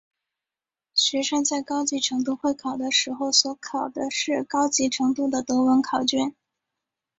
学生在高级程度会考的时候所考的是高级程度的德文考卷。